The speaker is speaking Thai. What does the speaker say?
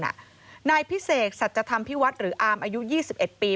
ห่ะนายพี่๙๔สัจธรรมพิวัตรหรืออามอายุ๒๑ปี